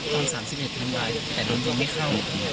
ตอน๓๐มีแต่โดนยิงไม่เข้านะครับ